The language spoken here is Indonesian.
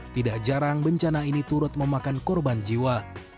tidak jarang bencana ini turut memakan korban jiwa